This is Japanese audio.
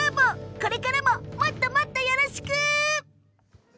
これからももっともっとよろしく。